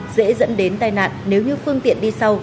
dễ dẫn đến tai nạn nếu như phương tiện đi sau